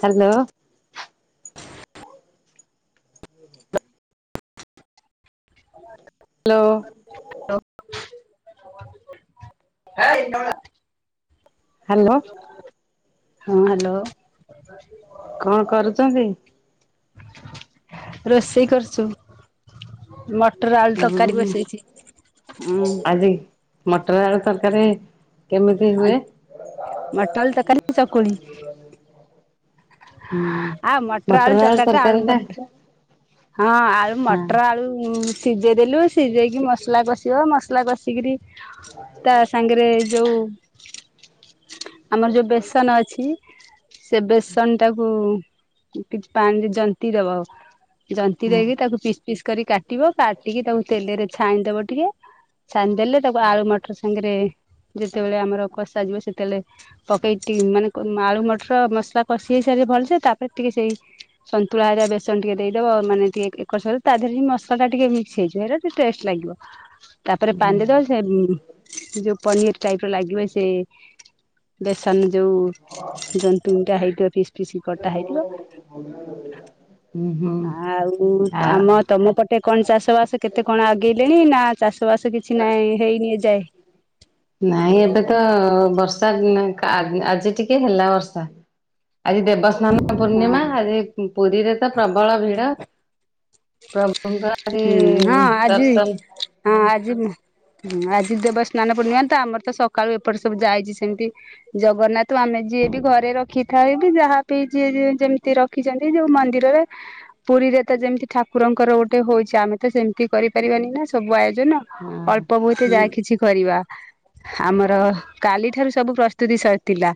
Hello. Hello. [unintelligible] Hello. ହଁ hello. [unintelligible] କଣ କରୁଛନ୍ତି? ରୋଷେଇ କରିଚୁ। ମଟର ଆଳୁ ତରକାରୀ ହୁଁ ବସେଇଚି ଉଁ। ଆଜି ମଟର ଆଳୁ ତରକାରୀ କେମିତି ଆ ହୁଏ? ମଟର ତରକାରୀ କୁ ଚକୁଳି। [inaudible] ହୁଁ ଆ ମଟର୍ ଆଳୁ ତରକାରୀ ଟା ଆଳୁ ମଟ୍ ହଁ ଆଳୁ ହଁ ମଟର ଆଳୁ ସିଜେଇ ଦେଲୁ ସିଜେଇ କି ମସଲା କଷିବ ମସ୍ ଲା କସି କିରି ତା ସାଙ୍ଗରେ ଯୋଉ ଆମର ଯୋଉ ବେସନ ଅଛି ସେ ବେସ୍ ନ ଟାକୁ କିଛି ପାଣିରେ ଜନ୍ତି ଦବ ଜନ୍ତି ଦେଇକି ହୁଁ ତାକୁ ପିସ୍ ପିସ୍ କରି କାଟିବ କାଟିକି ତାକୁ ତେଲରେ ଛାଣିଦବ ଟିକେ ଛାଣି ଦେଲେ ତାକୁ ଆଳୁ ମଟର ସାଙ୍ଗେରେ ଯେତେବେଳେ ଆମର କସା ଯିବ ସେତେବେଳେ ପକେଇ ଟି- ମାନେ ଆଳୁ ମଟର ମସଲା କଷି ହେଇ ସାରିଲେ ଭଲସେ ତାପରେ ଟିକେ ସେଇ ସନ୍ତୁଳା ହେରା ବେସନ୍ ଟିକେ ଦେଇଦବ ମାନେ ଟିକେ ଏକର୍ ତା ଦେହରେ ମସଲା ଟିକେ ମିକ୍ସ ହେଇଯିବ ହେଉରା ଟେଷ୍ଟ୍ ଲାଗିବ। ତାପରେ ପାଣି ଦେଇଦବ ସେ ଯୋଉ ପନିର୍ ଟାଇପ୍ ର ଲାଗିବ ସେ ବେସନ୍ ଯୋଉ ଜନ୍ତୁଣି ଟା ହେଇଥିବ ସିସ୍‌ କିଛି କଟା ହେଇଥିବ ହୁଁ ହୁଁ ଆଉ ଆ ଆମ ତମ ପଟେ କଣ ଚାଷ ବାସ କେତେ କଣ ଆଗେଇଲେଣି ନା ଚାଷ ବାସ କି [unintelligible] ନାଇଁ ଏବେ ତ ବର୍ଷା ଉଁ -ଆ-ଆଜି ଟିକେ ହେଲା ବର୍ଷା। ଆଜି ଦେବସ୍ନାନ ହଁ ପୂର୍ଣ୍ଣିମା ଆଜି ପୁରୀରେ ତ ପ୍ରବଳ ଭିଡ। ପ୍ରଭୁଙ୍କର ଆଜି ହୁଁ ଦର୍ଶନ ହଁ ଆଜି ହଁ ଆଜି ଦେବସ୍ନାନ ପୂର୍ଣ୍ଣିମା ତ ଆମର ତ ସକାଳୁ ଏପଟ ସବୁ ଯାଇଚି ସେମିତି ଜଗନ୍ନାଥ ଆମେ ଯିଏ ବି ଘରେ ରଖିଥାଏ ବି ଯାହା ବି ଯିଏ ଯେମିତି ରଖି ଚନ୍ତି ଯୋଉ ମନ୍ଦିରରେ ପୁରୀରେ ତ ଯେମିତି ଠାକୁରଙ୍କର ଗୋଟେ ହଉ ଆମେ ତ ସେମିତି କରିପାରିବାନି ନା ସବୁ ଆୟୋଜନ ହଁ ଅଳ୍ପ ବହୁତ ହୁଁ ଯାହା କିଛି କରିବା। ଆମର କାଲି ଠାରୁ ସବୁ ପ୍ରସ୍ତୁତି ସରିଥିଲା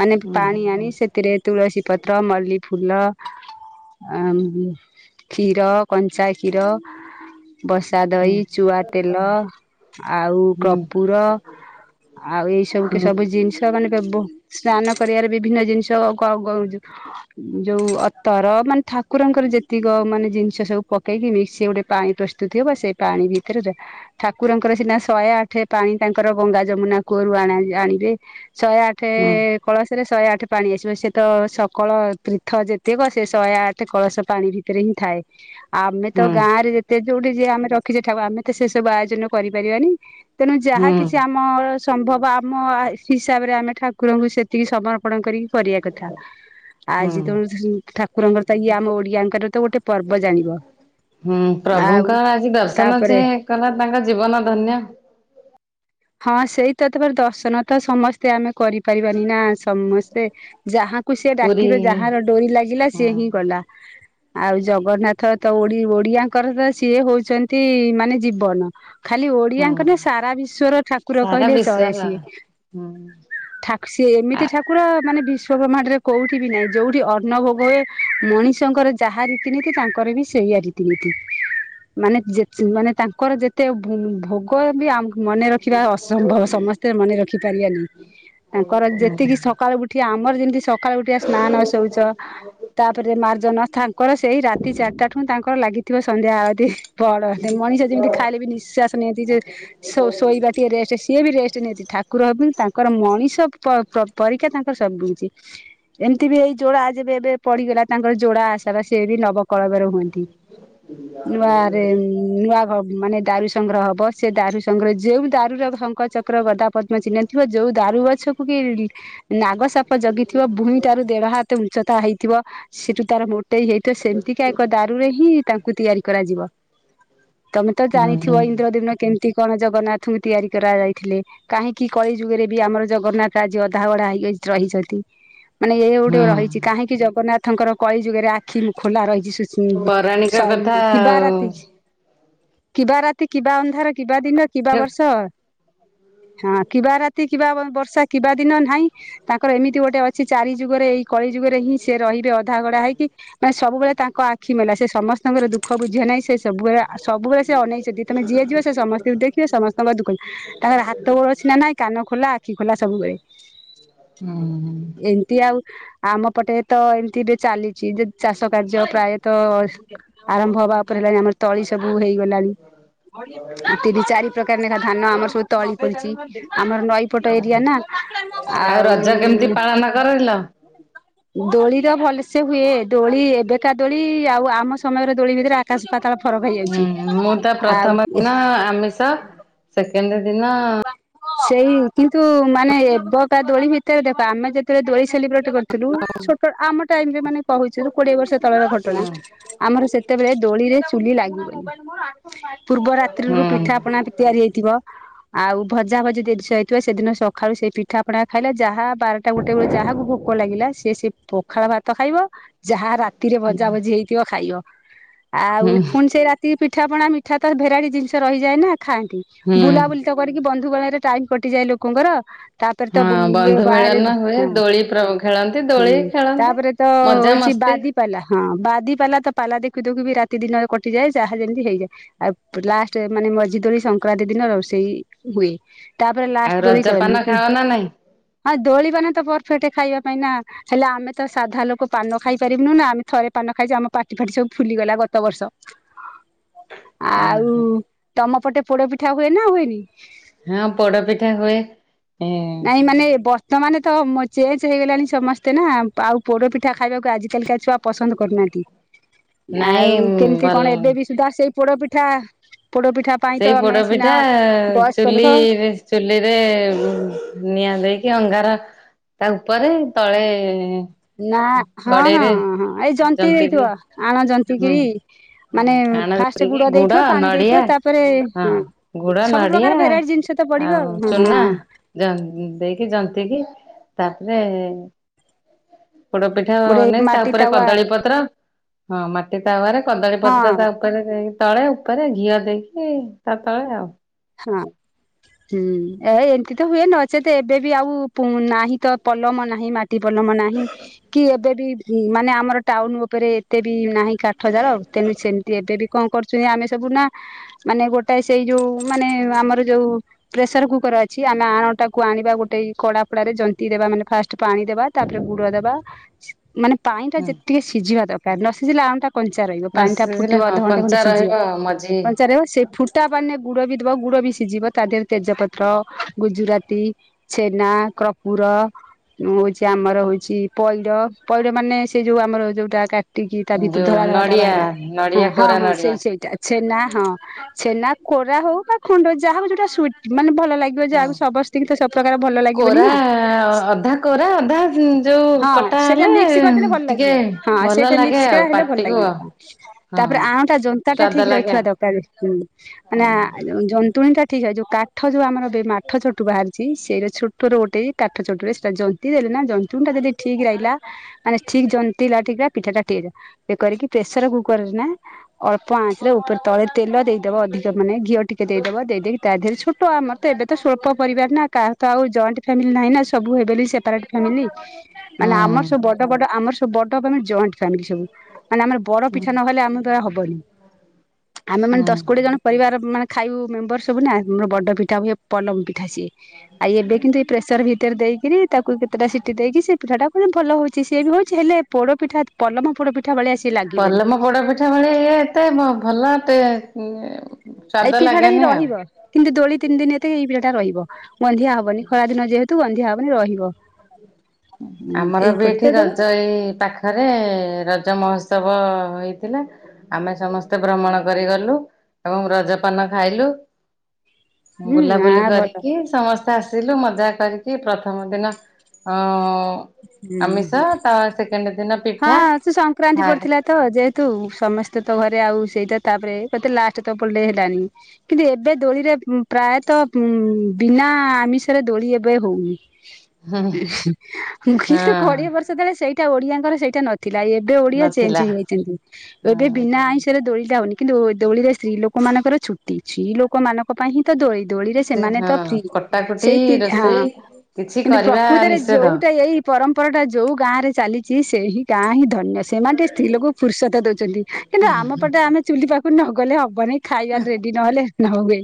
ମାନେ ହୁଁ ପାଣି ଆଣି ହୁଁ ସେ ଥିରେ ତୁଳସୀ ପତ୍ର ମଲ୍ଲି ଫୁଲ ଆମ୍ -କ୍ଷୀର କଞ୍ଚା କ୍ଷୀର ବସ୍ ତା ଦହି, ଚୁଆ ତେଲ ଆଉ ହୁଁ କପୁର ଆଉ ଏଇ ସବୁ କେ ହୁଁ ସବୁ ଜିନିଷ ମାନେ ବ-ସ୍ନାନ କରିବାରେ ବିଭିନ୍ନ ଜିନିଷ [unintelligible] ଯଉ ଅତର ମାନେ ଠାକୁରଙ୍କର ଯେତିକ ମାନେ ଜିନିଷ ସବୁ ପ ପକେଇକିନି ସେ ଗୋଟେ ପାଣି ପ୍ରସ୍ତୁତି ହବ ସେ ପାଣି ଭିତରେ ଯା ଠାକୁରଙ୍କର ସିନା ଶହେ ଆଠ ପାଣି ତାଙ୍କର ଗଙ୍ଗା ଯମୁନା କୂଅରୁ ଆଣା-ଆଣିବେ ଶହେ ଆଠ୍ ହୁଁ ଠେପ୍ କଳସରେ ଶହେ ଆଠ ପାଣି ଆସିବ ସେ ତ ସକଳ ତୀର୍ଥ ଯେତେକ ସେ ଶହେ ଆଠ କଳସ ପାଣି ବି ହିଁ ଥାଏ। ଆମେ ତ ହୁଁ ଗାଁ ରେ ଯେତେ ଯୋଉଠି ଯିଏ ଆମେ ରଖିଚେ ଠାକୁର ଆମେ ତ ସେ ସବୁ ଆୟୋଜନ କରିପାରିବାନି ତେଣୁ ଯାହା ହୁଁ କିଛି ଆମ ସମ୍ଭବ ଆମ ହିସାବରେ ଆମେ ଠାକୁରଙ୍କୁ ସେତିକି ସବର୍ପ ପଣ କରିକି କରିଆ କଥା। ହୁଁ ଆଜି ତ ଠାକୁରଙ୍କର ତ ଇଏ ଆମ ଓଡିଆଙ୍କର ତ ଗୋଟେ ପର୍ବ ଜାଣିବ। ହୁଁ ଆଉ ପ୍ରଭୁଙ୍କ ଆଜି ଦର୍ଶନ ଯେ ତାପରେ କଲା ତାଙ୍କ ଜୀବନ ଧନ୍ୟ। ହଁ ସେଇ ତ ତପ ଦର୍ଶନ ତ ସମସ୍ତେ ଆମେ କରିପାରିବାନି ନା ସମସ୍ତେ ଯାହାଙ୍କୁ ସିଏ ପୁରୀ ଡାକିବେ ଯାହାର ଡୋରି ଲାଗିଲା ହୁଁ ସିଏ ହିଁ ଗଲା। ଆଉ ଜଗନ୍ନାଥ ତ ଓଡି- ଓଡିଆଙ୍କର ତ ସିଏ ହଉଚନ୍ତି ମାନେ ଜୀବନ। ଖାଲି ହୁଁ ଓଡିଆଙ୍କର ନା ସାରା ବିଶ୍ଵର ଠାକୁର ସାରା କହିଲେ ଚଳେ ବିଶ୍ଵର ସିଏ। ହୁଁ। ଠା- ସିଏ ଏମିତି ଆ ଠାକୁର ମାନେ ବିଶ୍ଵ ବ୍ରହ୍ମାଣ୍ଡ ରେ କୋଉଠି ବି ନାହିଁ ଯୋଉଠି ଅନ୍ନ ଭୋଗ ହୁଏ ମଣିଷଙ୍କର ଯାହା ରୀତିନୀତି ତାଙ୍କର ବି ସ୍ ସେଇଆ ରୀତିନୀତି ମାନେ ଯେତ୍ ଯେ ମାନେ ତାଙ୍କର ଯେତେ ଭୋ ଭୋଗ ବି ଆମ ମନେ ରଖିବା ଅସମ୍ଭବ ସମସ୍ତେ ମନେ ରଖି ପାରିବାନି ତାଙ୍କର ହୁଁ ଯେତିକି ହୁଁ ସକାଳୁ ଗୋଟେ ଏଠି ଆମର ଯେମିତି ସକାଳୁ ଉଠିବା ସ୍ନାନ ଶୌଚ ତାପରେ ମାର୍ଜନ ତାଙ୍କର ସେଇ ରାତି ଚାରିଟା ଠୁ ତାଙ୍କର ଲାଗିଥିବ ସନ୍ଧ୍ୟା ଆଳତୀ ପହଡ଼ ହେଲେ ମଣିଷ ଯେମିତି ଖାଇଲେ ବି ନିଶ୍ୱାସ ନିଅନ୍ତି ଯେ ଶୋ ଶୋଇବା ଟିକେ ରେଷ୍ଟ ସି ସିଏ ବି ରେଷ୍ଟ ନିଅନ୍ତି ଠାକୁର ହେଲେ ତାଙ୍କର ମଣିଷ ପ ପରୀକ୍ଷା ତାଙ୍କର ସବୁକିଛି ଏମିତି ବି ଏଇ ଯୋଡା ଯେବେ ଏବେ ପଡିଗଲା ତାଙ୍କର ଯୋଡା ଆଷାଢ ସିଏ ବି ନବକଳେ ନୂଆ ରେମ୍ ନୂଆ ଘ ମାନେ ଦାରୁ ସଂଗ୍ରହ ହବ ସେ ଦାରୁ ସଂଗ୍ରହ ଯେଉ ଦାରୁୁର ଶଙ୍କ ଚକ୍ର ଗଦା ପଦ୍ମ ଚିହ୍ନ ଥିବ ଯୋଉ ଦାରୁ ଗଛକୁ ବି ନାଗ ସାପ ଜଗିଥିବ ଭୂଇଁ ଠାରୁ ଦେଢ ହାତ ଉଚ୍ଚତା ହେଇଥିବ। ସେଠୁ ତାର ମୋଟେଇ ହେଇଥିବ ସେମତି କା ଏକ ଦାରୁରେ ହିଁ ତାଙ୍କୁ ତିଆରି କରାଯିବ ତମେ ତ ଜାଣିଥିବ ହୁଁ ଏଇ ପନ୍ଦର ଦିନ କେମିତି କଣ ଜଗନ୍ନାଥଙ୍କୁ ତିଆରି କରାଯାଇଥିଲେ? କାହିଁକି କଳି ଯୁଗରେ ବି ଆମର ଜଗନ୍ନାଥ ଆଜି ଅଧା ଗଡା ହେଇ ଯାଇକି ରହିଛନ୍ତି। ମାନେ ଇଏ ଗୋଟେ ରହିଛି ହୁଁ କାହିଁକି ଜଗନ୍ନାଥଙ୍କର କଳି ଯୁଗରେ ଆଖି ରୁ ଖୋଲା ରହିଛି ସୁ ହୁଁ ପୌରାଣିକ ସମ୍ କଥା କିବା ଆଉ ରାତି କିବା ରାତି କିବା ଅନ୍ଧାର କିବା ଦିନ କିବା ବର୍ଷ ସେ ସଦ ଗୁରୁ ହଁ କିବା ରାତି କିବା ବ ବର୍ଷା କିବା ଦିନ ନାହିଁ ତାଙ୍କର ଏମିତି ଗୋଟେ ଅଛି ଚାରି ଯୁଗରେ ଏଇ କଳି ଯୁଗରେ ହିଁ ସେ ରହିବେ ଅଧାଗଢା ହେଇକି ମାନେ ସବୁବେଳେ ତାଙ୍କ ଆଖି ଆଖି ମେଲା ସେ ସମସ୍ତଙ୍କର ଦୁଃଖ ବୁଝିବା ନାଗି ସେ ସବୁବେଳେ ସବୁବେଳେ ସେ ଅନେଇଛନ୍ତି ତମେ ଯିଏ ଯିବ ସେ ସମସ୍ତଙ୍କୁ ଦେଖିବେ ସମସ୍ତେ ସମସ୍ତ ଦୁଃଖ ତାଙ୍କର ହାତ ଗୋଡ ଅଛି ନା ନାଇଁ କାନ ଖୋଲା ଆଖି ଖୋଲା ସବୁବେଳେ। ହୁଁଁ। ଏମିତି ଆଉ ଆମ ପଟେ ତ ଏମିତି ବି ଚାଲିଛି ଯେ ଚାଷ କାର୍ଯ୍ୟ ପ୍ରାୟ ତ ଆରମ୍ଭ ହବା ଉପରେ ହେଲାଣି ଆମର ତଳି ସବୁ ହେଇଗଲାଣି। ତିନି ଚାରି ପ୍ରକାର ନେଖା ଧାନ ଆମର ସବୁ ତଳି ପଡିଛି ଆମର ନଈପଟ ଏରିଆ ନା ଆଉ ରଜ କେମିତି ପାଳନ କରିଲ? ଦୋଳିର ଭଲସେ ହୁଏ ଦୋଳି ଏବେକା ଦୋଳି ଆଉ ଆମ ସମୟର ଦୋଳି ଭିତରେ ଆକାଶ ପାତାଳ ଫରକ ହେଇଯାଉଛି ଆ ଆଉ ଆମିଷ ସେକେଣ୍ଡ ଦିନ ସେଇ କିନ୍ତୁ ମାନେ ଏବକା ଦୋଳି ଭିତରେ ଦେଖ ଆମେ ଯେତେବେଳେ ଦୋଳି ସେଲିବ୍ରେଟ କରିଛ ଥିଲୁ ଛୋଟ ଆମ ଟାଇମ୍ ରେ ମାନେ କହୁଛୁ କୋଡିଏ ବର୍ଷ ତଳର ହୁଁ ଘଟଣା ଆମର ସେ ସେତେବେଳେ ଦୋଳିରେ ଚୁଲି ଲାଗିବନି ପୂର୍ବ ହୁଁ ରାତ୍ରିରୁ ପିଠା ପଣା ତିଆରି ହେଇଥିବ। ଆଉ ଭଜାଭଜି ଜିନିଷ ହେଇଥିବ ସେଦିନ ସକାଳୁ ସେଇ ପିଠା ଆପଣ ଖାଇଲ ଯାହା ବାରଟା ଗୋଟେ ବେଳେ ଯାହାକୁ ଭୋକ ଲାଗିଲା ସିଏ ସେଇ ପଖାଳ ଭାତ ଖାଇବ। ଯାହା ରାତିରେ ଭଜା ଭଜି ହେଇଥିବ ଖାଇବ ଆଉ ହୁଁ ପୁଣି ସେଇ ରାତିକି ପିଠାପଣା ମିଠା ମିଠା ତାର ଭେରାଇଟି ଜିନିଷ ରହିଯାଏ ନା ଖାଆନ୍ତି ହୁଁ ବୁଲାବୁଲି କରିକି ବନ୍ଧୁଗଣରେ ଟାଇମ୍ କଟିଯାଏ ଲୋକଙ୍କର ତାପରେ ତ ହଁ ବୁମ୍ ହୁଏ ବନ୍ଧୁ ବାହାରେ ମିଳନ ହୁଏ ହଁ ଦୋଳି ପ୍ର ଖେଳନ୍ତି ହୁଁ ଦୋଳି ଖେଳନ୍ତି। ତାପରେ ତ ମଜା ହୋଉଛି ମସ୍ତି ବାଦି ପାଲା ହଁ ବାଦି ପାଲା ତ ପାଲା ଦେଖୁ ଦେଖୁ ବି ରାତି ଦିନରେ କଟିଯାଏ ଯାହା ଯେମିତି ହେଇଯାଏ। ଆଉ ପ ଲାଷ୍ଟ ମାନେ ମଝିଦୋଳି ସଂକ୍ରାନ୍ତି ଦିନ ରୋଷେଇ ହୁଏ। ତାପରେ ଲାଷ୍ଟ ଆଉ ଦୋଳି ରଜପାନ କରନ୍ତି ଖାଅ ନା ନାଇଁ ହଁ ଦୋଳି ମାନେ ତ ପରଫେକ୍ଟ ଖାଇବା ପାଇଁ ନା ହେଲେ ଆମେ ତ ସାଧା ଲୋକ ପାନ ଖାଇପାରିବୁନୁ ନା ଆମେ ଥରେ ପାନ ଖାଇଛୁ ଆମ ପାଟି ଫାଟି ସବୁ ଫୁଲିଗଲା ଗତ ବର୍ଷ। ହଁ ଆଉ ତମ ପଟେ ପୋଡ଼ପିଠା ହୁଏ ନା ହୁଏନି? ହଁ ପୋଡ଼ପିଠା ହୁଏ। ଏ ନାଇଁ ମାନେ ବ ତ ମାନେ ତ ଚେଞ୍ଜ ହେଇଗଲାଣି ସମସ୍ତେ ନା ଆଉ ପୋଡ ପିଠା ଖାଇବାକୁ ଆଜିିକାଲିକା ଛୁଆ ପସନ୍ଦ କରୁନାହାନ୍ତି। ନାଇଁ ଆଉ କେମିତି ଭଲ କଣ ଏବେ ବି ସୁଦ୍ଧା ସେଇ ପୋଡପିଠା ପୋଡପିଠା ପାଇଁ ତ ସେଇ ଆମେ ସିନା ପୋଡପିଠା ବୟସ୍କ ଲୋକ ଚୁଲିରେ ଚୁଲିରେ ନିଆଁ ଦେଇକି ଅଙ୍ଗାର ତା ଉପରେ ତଳେ ନା ହଁ ହଁ କଡେଇରେ ହଁ ଏଇ ଜନ୍ତୀ ଜନ୍ତିକି ଦେଇଥିବ ଆଣ ଜନ୍ତ ତି ହୁଁ କିରି ହୁଁ ମାନେ ଆଣ ଫାଷ୍ଟ ଯେତିକି ଗୁଡ ଦେଇଥିବ ପାଣି ନଡିଆ ଦେଇଥିବ ତାପରେ ହଁ ଗୁଡ ସବୁ ନଡିଆ ପ୍ରକାର ଭେରାଇଟି ଜିନିଷ ତ ପଡିବ ଆଉ ହଁ ହଁ। ଜ ଦେଇକି ଯନ୍ତିକି ତାପରେ ପୋଡ ପିଠା ଗୋଟେ ନାଇ ତା ମାଟି ଉପରେ ତାୱା କଦଳୀ ପତ୍ର ହଁ ମାଟି ତାୱରେ କଦଳୀ ପତ୍ର ତା ହଁ ଉପରେ ଉପରେ ଦେଇ ତଳେ ଉପରେ ଘିଅ ଦେଇକି ତା ତଳେ ଆଉ। ହଁ। ହୁଁ ଏ ଏମିତି ତ ହୁଏ ନଚେତ ଏବେ ବି ଆଉ ନାହିଁ ତ ପଲମ ନାହିଁ ମା ମାଟି ପଲମ ନାହିଁ କି ଏବେ ବି ମାନେ ଆମର ଟାଉନ ଉପରେ ଏତେ ବି ନାହିଁ କାଠ ଜାଳ ତେଣୁ ସେମିତି ଏବେ ବି କଣ କରୁଛନ୍ତି ଆମେ ସବୁ ନା ମାନେ ଗୋଟେ ସେଇ ଯୋଉ ମାନେ ଆମର ଯୋଉ ପ୍ରେସର କୁକର ଅଛି ଆମେ ଆଣଟାକୁ ଆଣିବା ଗୋଟେ କଡା ଫଡାରେ ଜନ୍ତି ଦେବା ମାନେ ଫାଷ୍ଟ ପାଣି ଦେବା ତାପରେ ଗୁଡ ଦବା ମାନେ ପାଣି ଟା ହୁଁ ଯେତିକେ ସିଝିବା ଦରକାର ନ ସିଝିଲେ ଆଣଟା କଞ୍ଚା ରହିବ ନ ପାଣି ଟା ସିଝିଲେ ଫୁଟିବ ହଁ ଅଧଘଣ୍ଟା ଖଣ୍ଟେ କଞ୍ଚା ସିଝିବ ରହିବ ମଝି କଞ୍ଚା ରହିବ ସେ ଫୁଟା ପାଣିରେ ଗୁଡ ବି ଦବା ଗୁଡ ବି ସିଝିବ ତା ଦେହରେ ତେଜପତ୍ର ଗୁଜୁରାତି ଛେନା, କପୁର ମୁଁ ହଉଛି ଆମର ହଉଛି ପଇଡ ପଇଡ ମାନେ ସେ ଯୋଉ ଆମର ଯୋଉଟା କା ଟିକି ତା ଭିତରୁ ଯୋଉ ଧଳା ଧଳା ଟା ନଡିଆ ବାହାରିବ ହଁ ନଡିଆ ହଁ କୋରା ହଁ ନଡିଆ ସେଇ ସେଇଟା ଛେନା ହଁ ଛେନା କୋରା ହଉ ବା ଖଣ୍ଡ ଯାହାକୁ ଯୋଉଟା ସୁଇଟ୍ ମାନେ ଭଲ ଲାଗେ। ହଁ ଯାହାକୁ ସମସ୍ତଙ୍କି ତ ସବୁପ୍ରକାର ଭଲ ଲାଗିବନି କୋରା ନା ଅଧା କୋରା ଅଧା ଯୋଉ ହଁ। କଟା ସେଇଟା ହେଲେ ମିକ୍ସ କରିଦେଲେ ଭଲ ଟିକେ ଲାଗିବ ହଁ ଭଲ ସେଇଟା ଲାଗେ ମିକ୍ସ ଆଉ କା ହେଲେ ଭଲ ପାଟିକୁ ଲାଗିବ। ଆଉ ତାପରେ ହଁ। ଆଣଟା ଜନ୍ତା ଟା ସ୍ଵାଦ ଠିକ୍ ଲାଗେ ରହିଥିବା ଆଉ ଦରକାର ହୁଁ। ମାନେ ହୁଁ ଯନ୍ତୁଣିଟା ଠିକ୍ ହେଇ ଯୋଉ କାଠ ଯୋଉ ଆମର ଏ ମାଠ ଚଟୁ ବାହାରିଛି ସେଇରା ଛୋଟ ଟରୁ ଗୋଟେ ପତର ଗୋଟେଇକି କାଠ ଚଟୁରେ ସେଟା ଜନ୍ତି ଦେଲେ ନା ଜନ୍ତୁଣି ଟା ଯଦି ଠିକ୍ ରେ ଆଇଲା ମାନେ ଠିକ୍ ଜନ୍ତିଲା ଟି ପିଠା ରା ଚେକ୍ କରିକି ପ୍ରେସର କୁକର ରେ ନା ଅଳ୍ପ ଆଞ୍ଚରେ ଉପରେ ତଳେ ତେଲ ଦେଇଦବ ଅଧିକ ଦେବନି ଘିଅ ଟିକେ ଦେଇଦବ ଦେଇକି ତା ଦେହରେ ଛୋଟ ଆମର ତ ଏବେ ତ ସ୍ୱଳ୍ପ ପରିବାର ନା କାହା ତ ଆଉ ଜଏଣ୍ଟ ଫ୍ୟାମିଲି ନାହିଁ ନା ସବୁ ହେବେ ସେପାରେଟ ଫ୍ୟାମିଲି। ମାନେ ହୁଁ ଆମର ସବୁ ବଡ ବଡ ଆମର ସବୁ ବଡ ଜଏଣ୍ଟ ଫ୍ୟାମିଲି ସବୁ ମାନେ ଆମର ପୋଡପିଠା ନହେଲେ ଆମ ଦ୍ୱାରା ହବନି। ଆମେ ମାନେ ହୁଁ। ଦଶ କୋଡିଏ ଜଣ ପରିବାର ମାନେ ଖାଇବୁ ମେମ୍ବର ସବୁ ନା ଆମର ବଡ ପିଠା ହୁଏ। ପଲମ ପିଠା ସିଏ ଆଇ ଏବେ କିନ୍ତୁ ଏ ପ୍ରେସର ଭିତରେ ଦେଇିକି କିରି ତାକୁ କେତେଟା ସିଟି ଦେଇକି ସେ ପିଠାଟା ପୁଣି ଭଲ ହଉଛି ସିଏ ବି ହଉଛି ହେଲେ ପୋଡ ପିଠା ପଲମ ପୋଡ ପିଠା ପିଠା ଭଳିଆ ସେ ଲା ପଲମ ପୋଡା ପିଠା ଭଳିଆ ଇଏ ଏତେ ଭଲ ଏତେ ଟେ ସ୍ଵାଦ ଏଇ ପିଠା ଟା ହିଁ ଲାଗେନି ଆଉ। ରହିବ କିନ୍ତୁ ଦୋଳି ତିନି ଦିନି ଏତକ ଏଇ ରହିବ ଗନ୍ଧିଆ ହବନି ଖରା ଦିନ ଯେହେତୁ କିନ୍ତୁ ଗନ୍ଧିଆ ହବନି ରହିବ। ହୁଁ ଆମର ବି ଏଇପଟେ ତ ଏଠି ଦୋଳ ରଜ ଏଇ ପାଖ ପାଖରେ ରଜ ମହୋତ୍ସବ ହୋଇଥିଲା। ଆମେ ସମସ୍ତେ ଭ୍ରମଣ କରିଗଲୁ ଏବଂ ରଜପାନ ଖାଇଲୁ। ହୁଁ ଆ ବୁଲାବୁଲି ଭଲ କରିକି ସମସ୍ତେ ଆସିଲୁ ମଜା କରିକି ପ୍ରଥମ ଦିନ ଅ ହୁଁ। ଆମିଷ ତା ସେକେଣ୍ଡ ଦିନ ହଁ ପିଠା ସେ ସଂକ୍ରାନ୍ତି ଥାର୍ଡ ପଡିଥିଲା ତ ଯେହେତୁ ସମସ୍ତେ ତ ଘରେ ଆଉ ସେଇଟା ତାପରେ କତେ ଲାଷ୍ଟ ତଲଡେ ହେଲାଣି। କିନ୍ତୁ ଏବେ ଦୋଳିରେ ପ୍ରାୟତଃ ଉ ବିନା ଆମିଷରେ ଦୋଳି ଏବେ ହଉନି। ହୁଁ କିନ୍ତୁ କୋଡିଏ ବର୍ଷ ତଳେ ସେଇଟା ଓଡିଆଙ୍କର ସେଇଟା ନଥିଲା ଏ ଏବେ ଓଡିଆ ନଥିଲା ଚେଞ୍ଜ ହେଇଯାଇଛନ୍ତି। ଏବେ ହଁ ବିନା ଆଇଁଷରେ ଦୋଳି ଟା ହଉନି କିନ୍ତୁ ଦୋଳିିରେ ସ୍ତ୍ରୀ ଲୋକ ମାନଙ୍କର ଛୁଟି ସ୍ତ୍ରୀ ଲୋକମାନଙ୍କ ଙ୍କ ପାଇଁ ହିଁ ତ ଦୋଳି ଦୋଳିରେ ସେମାନେ ହଁ ତ ପ୍ରି କଟାକଟି ସେଇ ତି ହଁ। ରୋଷେଇ କିଛି କିନ୍ତୁ କରିବା ପ୍ରକୃତରେ ନିଷେଧ ଯୋଉଟା ଏଇ ପରମ୍ପରା ଟା ଯୋଉ ଗାଁ ରେ ଚାଲିଛି ସେହି ଗାଁ ହିଁ ଧନ୍ୟ ସେମାନେ ଟେ ସ୍ତ୍ରୀ ଲୋକଙ୍କୁ ଫୁର୍ସତ ଦଉଛନ୍ତି କିନ୍ତୁ ଆମ ପଟେ ଆମେ ଚୁଲି ପାଖକୁ ନଗଲେ ହବନି ଖାଇବ ରେ ନହେଲେ ନ ହୁଏ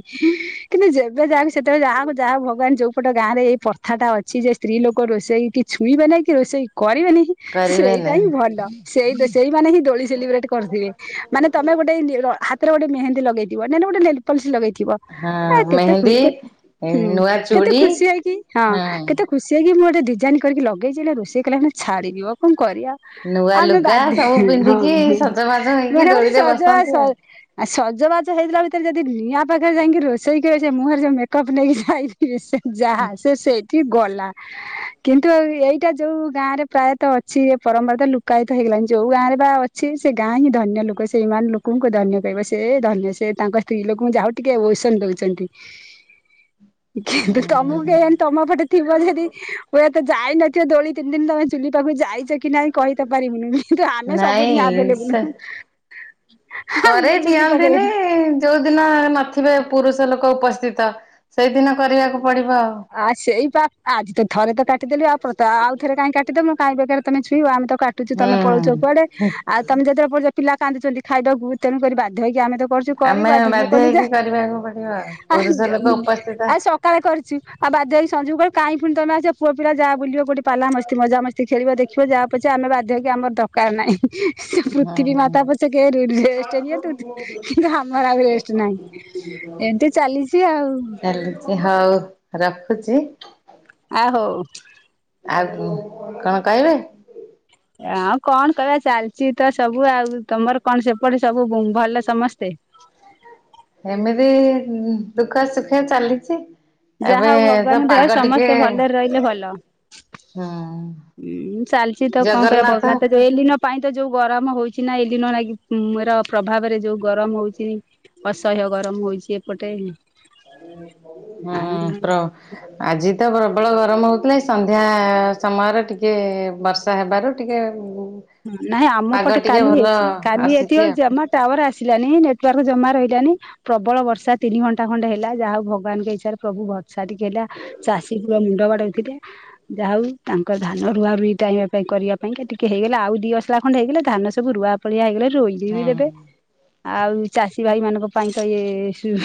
କିନ୍ତୁ ଯେବେ ଯାହାକୁ ସେତେବେଳେ ଯାହାକୁ ଯାହା ଭଗବାନ ଯୋଉ ଏପଟ ଗାଁରେ ଏଇ ପ୍ରଥାଟା ଅଛି ଯେ ସ୍ତ୍ରୀ ଲୋକ ରୋଷେଇ କି ଛୁଇଁବେ ନାହିଁ କି ରୋଷେଇ କରିବେ ନିହିଁ। କରିବେ ସେଇଟା ହିଁ ନାହିଁ ଭଲ। ସେଇ ଦେ ସେଇମାନେ ହିଁ ଦୋଳି ସେଲିବ୍ରେଟ୍ କରୁଥିବେ। ମାନେ ତମେ ଗୋଟେ ନି ର ହାତେରେ ଗୋଟେ ମେହେନ୍ଦୀ ଲଗେଇଥିବ ନାଇ ନ ଗୋଟେ ନେଲପଲିସ୍ ଲଗେଇଥିବ ହଁ ନାଇଁ କେତେ ଖୁ ମେହେନ୍ଦୀ କେ ହୁଁ ନୂଆ କେତେ ଚୁଡ଼ି ଖୁସି ହେଇକି ହଁ କେତେ ଖୁସି ହେଇକି ମୁଁ ଗୋଟେ ଡିଜାଇନ୍ କରିକି ଲଗେଇଛି ହେଲେ ରୋଷେଇ କଲା ବେଳେ ଛାଡି ଯିବ। କଣ କରିବା? ନୂଆ ଆମେ ଲୁଗା ବାଧ୍ୟ ସବୁ ହଁ ହଁ ପିନ୍ଧିକି ସଜବାଜ ହେଇକି ମାନେ ଆମେ ଗୋଟେ ଦୋଳିରେ ସଜ ବସନ୍ତି ସଉ ଆଉ ଆଉ ସଜବାଜ ହେଇଥିଲା ଭିତରେ ଯଦି ନିଆଁ ପାଖରେ ଯାଇକି ରୋଷେଇ କରିବ ସେ ମୁହଁରେ ଯୋଉ ମେକଅପ୍ ନେଇକି ଯାଇ ଥିବେ ସେ ଯାହା ସେ ସେ ଇଠି ଗଲା କିନ୍ତୁ ଆଉ ଏଇଟା ଯୋଉ ଗାଁରେ ପ୍ରାୟତଃ ଅ ଛି। ଏ ପରମ୍ପରା ତ ଲୁକାୟିତ ହେଇଗଲାଣି। ଯୋଉ ଗାଁରେ ବା ଅଛି ସେ ଗାଁ ହିଁ ଧନ୍ୟ ଲୋକ ସେଇମାନେ ଲୋ କଙ୍କୁ ଧନ୍ୟ କହିବ। ସେ ଧନ୍ୟ। ସେ ତାଙ୍କ ସ୍ତ୍ରୀ ଲୋକଙ୍କୁ ଯାହା ହଉ ଟିକେ ଔସନ ଦଉଛନ୍ତି। ହୁଁ କିନ୍ଥୁ ତମୁକୁ କିଏ ଏମ୍ ତମ ପଟେ ଥିବ ଯଦି ହୁଏ ତ ଯାଇନଥିବ ଦୋଳି ତିନି ଦିନି ତମେ ଚୁଲି ପାଖୁକୁ ଯାଇ କି ନାହିଁ କହି ତ ପାରିବୁନୁ। କିନ୍ତୁ ଆମେ ସବୁଦିନି ନାଇଁ ଆଭେଲେବୁଲୁ। ସେ କରେଇ ଦିଅନ୍ତିନି। ଯୋଉ ଦିନ ନଥିବେ ପୁରୁଷ ଲୋକ ଉପସ୍ଥିତ ସେଇଦିନ କରିବାକୁ ପଡିବ ଆଉ। ଆ ସେଇ ବା। ଆଜି ତ ଥରେ ତ କାଟି ଦେଲି ଆଉ ପ୍ରତା ଆ-ଆଉ ଥରେ କାଇଁ କାଟି ଦବୁ କାହିଁ ବେକାରେ ତମେ ଛୁଇଁବ ଆମେ ତ କା ଟୁଛୁ ତମେ ପଳଉଛ କୁଆଡେ। ହୁଁ। ଆଉ ତମେ ଯେତେବେଳେ ପଳଉଛ ପିଲା କାନ୍ଦୁଛନ୍ତି ଖାଇବାକୁ ତେଣୁ କରି ବାଧ୍ୟ ହେଇକି ଆମେ ତ କରୁଛୁ କରିବୁ ଆମେ ଆଉ ଦିନେ ବାଧ୍ୟ କଲୁ ଯେ ହେଇକି କରିବାକୁ ପଡିବ ଆଉ ଆଁ ପୁରୁଷ ଦି ଲୋକ ଉପସ୍ଥିତ ଆଉ ସକାଳେ କରିଛୁ ଆଉ ବାଧ୍ୟ ହେଇ ସଞ୍ଜକୁ କରିବୁ କାହିଁ ପୁଣି ତମେ ଆସିବ ପୁଅ ପିଲା ଯାଅ ବୁଲିବ କୋଉଠି ପାଲା ମସ୍ତି ମଜା ମସ୍ତି ଖେଳିବ ଦେଖ୍ ଖିବ ଯାଅ ପଛେ ଆମେ ବାଧ୍ୟ ହେଇକି ଆମର ଦରକାର ନାହିଁ। ସେ ପୃଥିବୀ ହୁଁ। ମାତା ପଛକେ ରୁ ରେଷ୍ଟ ନିଅନ୍ତୁ କିନ୍ତୁ ଆମର ଆଉ ରେଷ୍ଟ ନାହିଁ। ଏମିତି ଚାଲିଛି ଆଉ। [unintelligible] ହଉ ରଖୁଛି। ଆ ହଉ। ଆଉ କୁ କଣ କହିବେ? ଆଉ କଣ କହିବା ଚାଲିଚ ତ ସବୁ ଆଉ। ତମର କଣ ସେପଟେ ସବୁ ବୁଁ ଭଲ ସମସ୍ତେ? ଏମିତି ଉଁ ଦୁଃଖ ସୁଖେ ଚାଲିଛି। ଏବେ ଯାହା ହଉ ତ ଭଗବାନଙ୍କ ଦୟାରୁ ପାଗ ଟିକେ ସମସ୍ତେ ଭଲରେ ରହିଲେ ଭଲ। ହୁଁ। ଉଁ ଚାଲିଚ ତ କଣ କରିବା ବର୍ଦ ଜଗନ୍ନାଥ [unintelligible] ଯୋଉ ଏଲିନୋ ପାଇଁ ତ ଯୋଉ ଗରମ ହଉଛି ନା ଏଲିନୋ ଲାଗି ଉଁ ର ପ୍ରଭାବରେ ଯୋଉ ଗରମ ହଉଛି। ଅସହ୍ୟ ଗରମ ହଉଛି ଏପଟେ ହିଁ। ହଁ ପ୍ର ଆଜି ତ ପ୍ରବଳ ଗରମ ହଉଥିଲା ଏଇ ସନ୍ଧ୍ୟା ସମୟରେ ଟିକେ ବର୍ଷ୍ ର୍ଷା ହେବାରୁ ଟିକେ ଉଁ ହୁଁ ନାଇଁ ଆମ ପଟେ କାଲି ହେଇଛି। କାଲି ଏତିକି ଆସିଛି ବେଳୁ ଆଉ ଜମା ଟାୱାର ଆସିଲାନି, ନେଟୱାର୍କ ଜମା ରହିଲାନି। ପ୍ରବଳ ବର୍ଷା ତିନି ଘଣ୍ଟା ଖଣ୍ଡେ ହେଲା। ଯାହା ହଉ ଭଗବାନଙ୍କ ଇଚ୍ଛାରେ ପ୍ରଭୁ ବ ର୍ଷା ଟିକେ ହେଲା। ଚାଷୀ ପୁରା ମୁଣ୍ଡ ବାଡଉଥିଲେ। ଯାହା ହଉ ତାଙ୍କର ଧାନ ରୁଆ ରୁଇ ଟାଇମ୍ [unintelligible] କରିବା ପାଇଁକା ଟିକେ ହେଇଗ ଲା ଆଉ ଦି ଅଶଲା ଖଣ୍ଡେ ହେଇଗଲେ ଧାନ ସବୁ ରୁଆ ପଳିଆ ହେଇଗଲେ ରୋଇ [unintelligible] ବି ଦେବେ। ହୁଁ। ଆଉ ଚାଷୀ ଭାଇମାନଙ୍କ ପାଇଁ ତ ଏ ସୁ